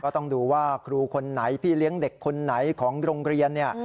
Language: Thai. ต้องดูว่าครูคนไหนพี่เลี้ยงเด็กคนไหนของโรงเรียนเนี่ย